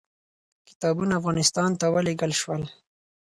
کتابونه افغانستان ته ولېږل شول.